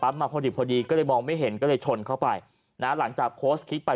ปั๊บมาพอดีพอดีก็เลยมองไม่เห็นก็เลยชนเข้าไปนะฮะหลังจากไป